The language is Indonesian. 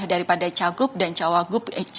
daripada cagup dan cawagup